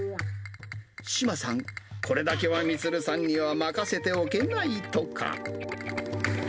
志麻さん、これだけは充さんには任せておけないとか。